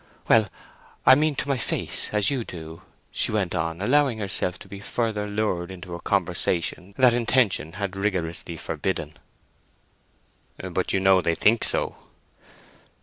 "Well, I mean to my face, as you do," she went on, allowing herself to be further lured into a conversation that intention had rigorously forbidden. "But you know they think so?"